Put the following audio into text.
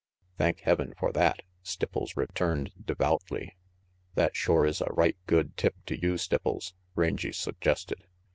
"Thank Heaven for that," Stipples returned devoutly. "That shore is a right good tip to you, Stipples," Rangy suggested.